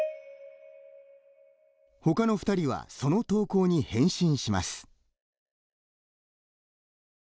ほかの２人はその投稿に返信します。